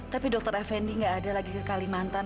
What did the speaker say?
tapi dokter effendi nggak ada lagi ke kalimantan